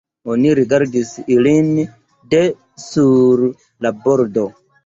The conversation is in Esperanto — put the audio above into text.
Oni rigardis ilin de sur la bordo.